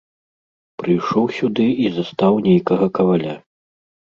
Прыйшоў сюды і застаў нейкага каваля.